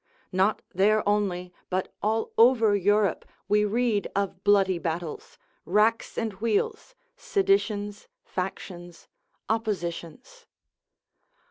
Not there only, but all over Europe, we read of bloody battles, racks and wheels, seditions, factions, oppositions.